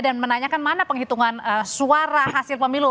dan menanyakan mana penghitungan suara hasil pemilu